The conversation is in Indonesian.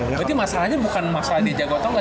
berarti masalahnya bukan masalah dia jago atau enggak